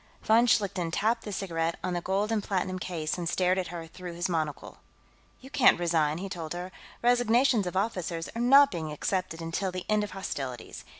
Von Schlichten tapped the cigarette on the gold and platinum case and stared at her through his monocle. "You can't resign," he told her. "Resignations of officers are not being accepted until the end of hostilities.